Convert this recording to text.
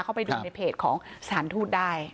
เข้าไปดูในเพจของสถานทูตได้